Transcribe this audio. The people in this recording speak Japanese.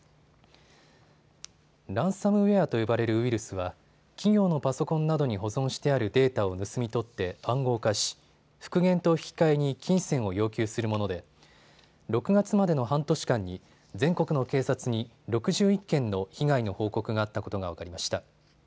ランサムウエアと呼ばれるウイルスは企業のパソコンなどに保存してあるデータを盗み取って暗号化し、復元と引き換えに金銭を要求するもので６月までの半年間に全国の警察に６１件の被害の報告があったことが分かりました。